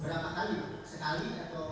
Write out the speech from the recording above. berapa kali sekali atau